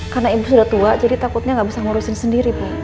karena ibu sudah tua jadi takutnya gak bisa ngurusin sendiri bu